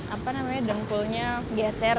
apa namanya dengkulnya geser